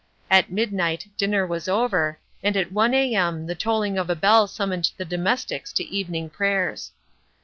At midnight dinner was over, and at 1 a.m. the tolling of a bell summoned the domestics to evening prayers.